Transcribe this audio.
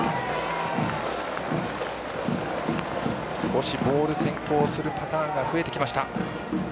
少しボール先行するパターンが増えてきました。